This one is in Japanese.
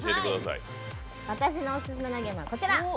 私のオススメのゲームはこちら。